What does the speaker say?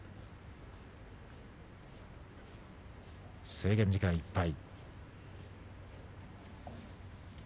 制限時間いっぱい。